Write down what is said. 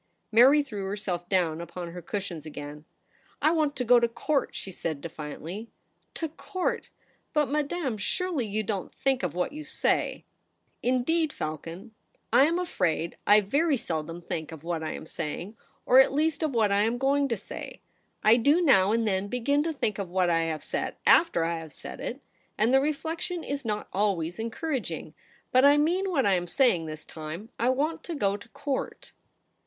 Mary threw herself down upon her cushions again. ' I want to go to Court !' she said de fiantly. * To Court ! But, Madame, surely you don't think of what you say ?'* Indeed, Falcon, I am afraid I very seldom [74 THE REBEL ROSE. think of what I am saying, or at least of what I am going to say. I do now and then begin to think of what I have said after I have said it, and the reflection is not always encouraging. But I mean what I am saying this time ; I want to go to Court.'